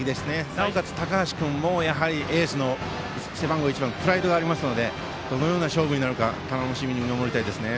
なおかつ高橋君もエースの背番号１番のプライドがありますのでどのような勝負になるか楽しみに見守りたいですね。